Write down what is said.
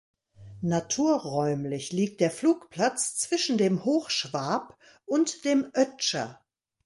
Naturräumlich liegt der Flugplatz zwischen dem Hochschwab und dem Ötscher.